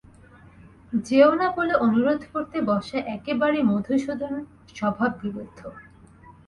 যেয়ো না বলে অনুরোধ করতে বসা একেবারেই মধুসূদনের স্বভাববিরুদ্ধ।